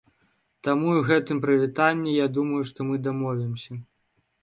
Таму і ў гэтым пытанні, я думаю, мы дамовімся.